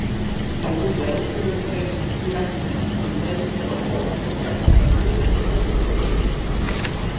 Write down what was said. El museu també ofereix viatges amb tren de vapor els caps de setmana i festius.